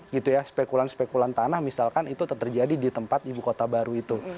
gitu ya spekulan spekulan tanah misalkan itu terjadi di tempat ibu kota baru itu